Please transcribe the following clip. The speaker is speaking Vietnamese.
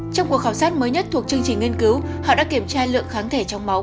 trong cuộc khảo sát mới nhất thuộc chương trình nghiên cứu họ đã kiểm tra lượng kháng thể trong máu